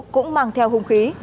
cũng mang theo hung khí